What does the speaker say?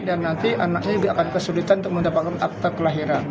dan nanti anaknya juga akan kesulitan untuk mendapatkan akta kelahiran